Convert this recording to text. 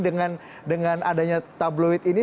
dengan adanya tabloid ini